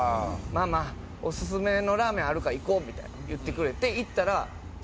まあまあオススメのラーメンあるから行こうみたいな言ってくれて行ったら閉まってたんですよ